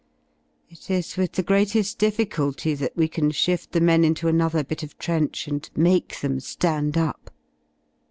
It is with the greater difficulty that we can shift the men into another bit of trench and make them ^and up.